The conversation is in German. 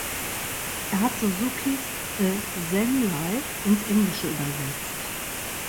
Er hat Suzukis "A Zen Life" ins Englische übersetzt.